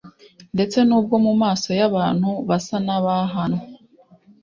ndetse n'ubwo mu maso y'abantu basa n'abahanwe